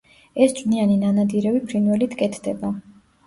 ეს წვნიანი ნანადირევი ფრინველით კეთდება.